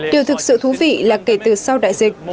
điều thực sự thú vị là kể từ sau đại dịch